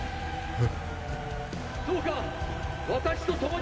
え？